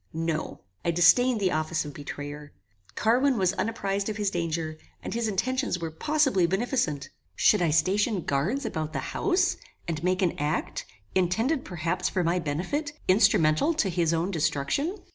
No. I disdained the office of betrayer. Carwin was unapprized of his danger, and his intentions were possibly beneficent. Should I station guards about the house, and make an act, intended perhaps for my benefit, instrumental to his own destruction?